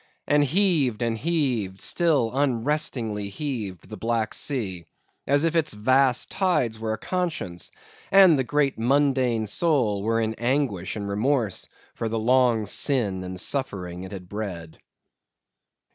And heaved and heaved, still unrestingly heaved the black sea, as if its vast tides were a conscience; and the great mundane soul were in anguish and remorse for the long sin and suffering it had bred.